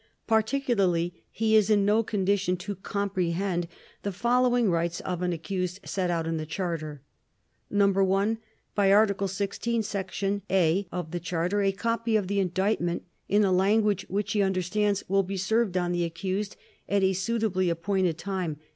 Particularly is he in no condition to comprehend the following rights of an accused set out in the Charter: 1. By Article 16, Section (a) of the Charter a copy of the Indictment in a language which he understands will be served on the accused at a suitably appointed time.